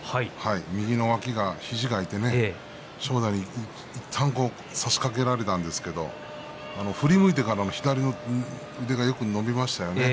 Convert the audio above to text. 右の脇が、肘が空いて正代に差しかけられたんですけど振り向いてからの左の腕がよく伸びましたね。